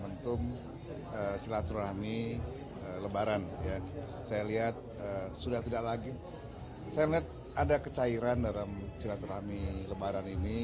momentum silaturahmi lebaran saya lihat sudah tidak lagi saya melihat ada kecairan dalam silaturahmi lebaran ini